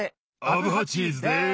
アブハチーズです！